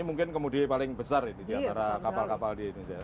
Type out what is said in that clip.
ini mungkin kemudian paling besar diantara kapal kapal di indonesia